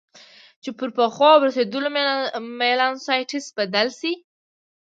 چې پر پخو او رسېدلو میلانوسایټس بدلې شي.